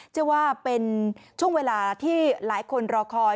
เชื่อว่าเป็นช่วงเวลาที่หลายคนรอคอย